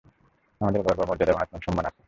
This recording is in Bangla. আমাদের গর্ব, মর্যাদা এবং আত্মসম্মান আছে!